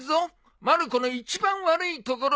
まる子の一番悪いところだ。